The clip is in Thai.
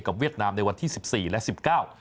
เวียดนามในวันที่สิบสี่และสิบเก้า